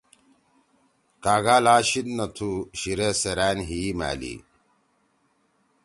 کاگا لا شیِد نہ تُھو شیِرے سیرأن ہی ئی مألی